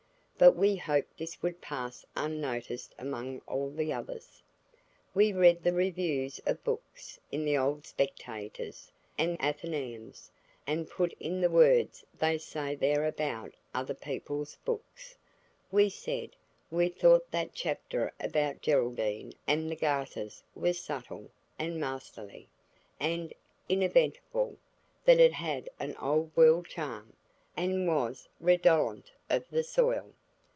But we hoped this would pass unnoticed among all the others. We read the reviews of books in the old Spectators and Athenæums, and put in the words they say there about other people's books. We said we thought that chapter about Geraldine and the garters was "subtle" and "masterly" and "inevitable"–that it had an "old world charm," and was "redolent of the soil."